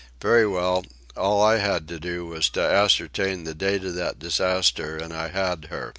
Very well, all I had to do was to ascertain the date of that disaster and I had her.